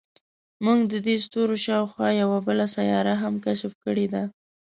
موږ د دې ستوري شاوخوا یوه بله سیاره هم کشف کړې ده.